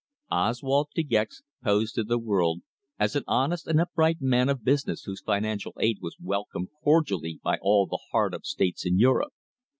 Oswald De Gex posed to the world as an honest and upright man of business whose financial aid was welcomed cordially by all the hard up States in Europe.